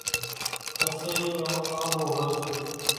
ڌسيرِي نو آنٻو هوئيَ سي۔